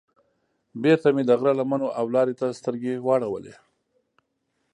بېرته مې د غره لمنو او لارې ته سترګې واړولې.